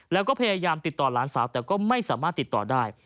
แล้วก็พยายามติดต่อหลานสาวแต่ก็ไม่สามารถติดต่อได้